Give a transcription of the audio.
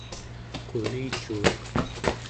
qulicungaq